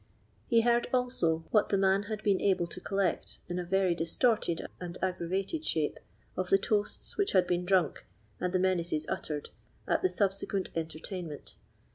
He heard, also, what the man had been able to collect, in a very distorted and aggravated shape, of the toasts which had been drunk, and the menaces uttered, at the subsequent entertainment.